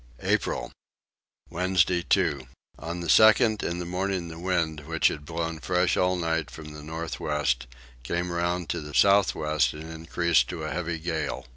April. Wednesday 2. On the 2nd in the morning the wind, which had blown fresh all night from the north west, came round to the south west and increased to a heavy gale.